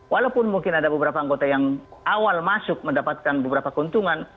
walaupun mungkin ada beberapa anggota yang awal masuk mendapatkan beberapa keuntungan